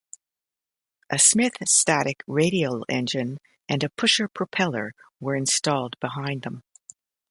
A Smith Static radial engine and a pusher propeller were installed behind them.